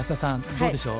どうでしょう？